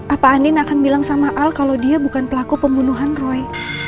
apa andin akan bilang sama al kalau dia bukan pelaku pembunuhan roy